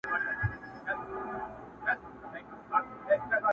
هم خوشال یې مور او پلار وه هم یې وړونه،